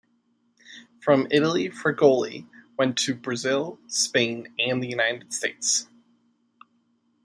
From Italy Fregoli went to Brazil, Spain, and the United States.